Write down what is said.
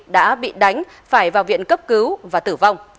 đã bị đánh phải vào viện cấp cứu và tử vong